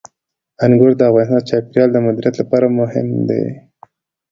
انګور د افغانستان د چاپیریال د مدیریت لپاره مهم دي.